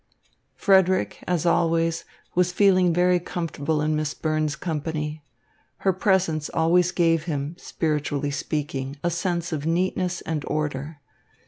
Frederick, as always, was feeling very comfortable in Miss Burns's company. Her presence always gave him, spiritually speaking, a sense of neatness and order.